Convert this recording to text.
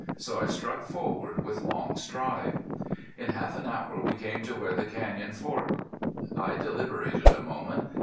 So I struck forward with long stride. In half an hour we came to where the canyon forked. I deliberated a moment.